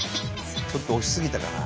ちょっと押し過ぎたかな？